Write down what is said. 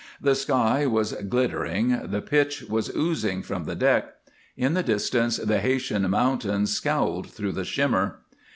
The sky was glittering, the pitch was oozing from the deck, in the distance the Haytian mountains scowled through the shimmer.